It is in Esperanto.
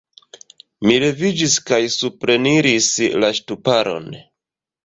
Mi leviĝis kaj supreniris la ŝtuparon.